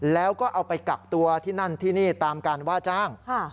แล้วก็เอาไปกักตัวที่นั่นที่นี่ตามการว่าจ้าง